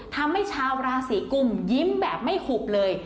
ทำให้ชาวราศีกุมยิ้มแบบไม่หุบเลย